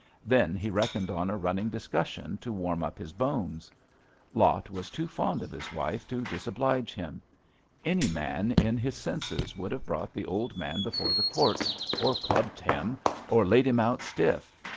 Then he reckoned on a running discussion to warm up his bones. Lot was too fond of his wife to disoblige him. Any man in his senses would have brought the old man before the courts, or clubbed him, or laid him out stiff.